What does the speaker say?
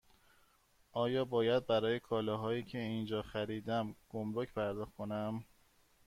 آیا باید برای کالاهایی که اینجا خریدم گمرگ پرداخت کنم؟